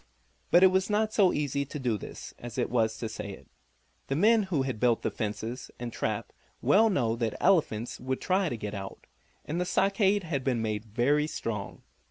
But it was not so easy to do this as it was to say it. The men who had built the fences and trap well know that the elephants would try to get out, and the stockade had been made very strong.